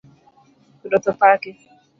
Ruoth opaki